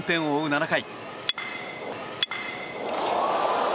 ７回。